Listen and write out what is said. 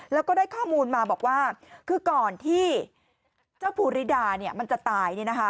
แล้วก็ได้ข้อมูลมาบอกว่าคือก่อนที่เจ้าภูริดามันจะตาย